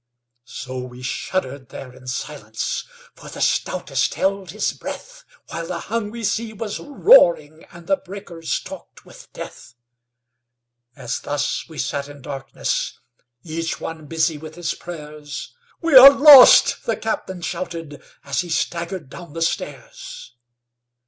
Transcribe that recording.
So we shuddered there in silence, For the stoutest held his breath, While the hungry sea was roaring And the breakers talked with death. As thus we sat in darkness Each one busy with his prayers, "We are lost!" the captain shouted, As he staggered down the stairs.